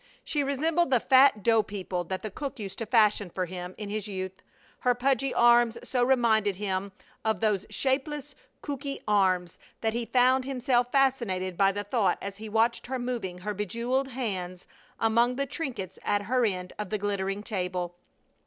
She resembled the fat dough people that the cook used to fashion for him in his youth. Her pudgy arms so reminded him of those shapeless cooky arms that he found himself fascinated by the thought as he watched her moving her bejeweled hands among the trinkets at her end of the glittering table.